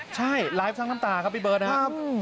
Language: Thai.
ใช่ไลฟ์ทั้งน้ำตาครับพี่เบิร์ตนะครับ